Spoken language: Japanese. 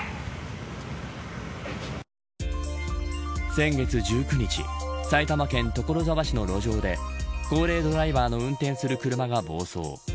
先月１９日埼玉県所沢市の路上で高齢ドライバーの運転する車が暴走。